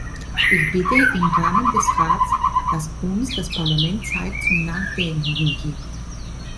Ich bitte im Namen des Rats, dass uns das Parlament Zeit zum Nachdenken gibt.